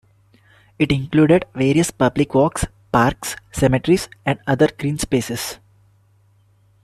It included various public walks, parks, cemeteries and other green spaces.